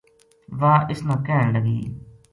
واہ اس نا کہن لگی